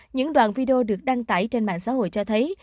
những đoàn video được đăng tải trên mạng xã hội cho thấy